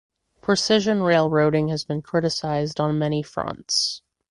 Precision railroading has been criticized on many fronts.